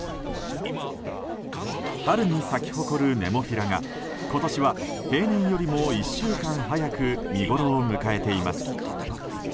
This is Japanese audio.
春に咲き誇るネモフィラが今年は平年よりも１週間早く見ごろを迎えています。